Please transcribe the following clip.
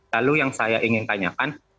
lalu yang saya ingin tanyakan